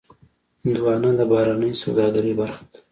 هندوانه د بهرنۍ سوداګرۍ برخه ده.